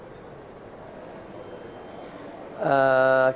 kita memang akan meliti ulang ya urut urutan kejadian ini dengan suatu